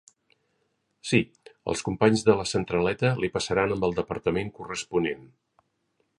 Sí, els companys de la centraleta li passaran amb el departament corresponent.